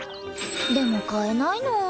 でも買えないの。